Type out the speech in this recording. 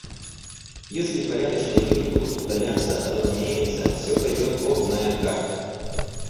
Если порядочные люди будут удаляться, разумеется, всё пойдет Бог знает как.